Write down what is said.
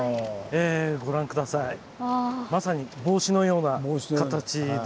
ご覧下さいまさに帽子のような形ですよね。